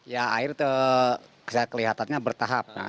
ya air kelihatannya bertahap